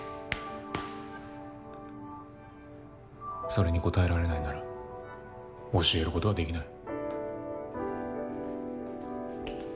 それに答えられないなら教えることはできない。